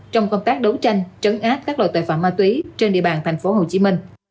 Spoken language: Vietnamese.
trong công tác đấu tranh trấn áp các loại tội phạm ma túy trên địa bàn tp hcm